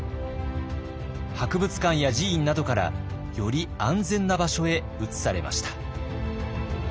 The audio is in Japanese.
博物館や寺院などからより安全な場所へ移されました。